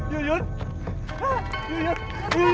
bukas kartu banana